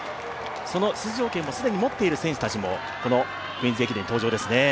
その出場権を既に持っている選手たちもこのクイーンズ駅伝に登場ですね。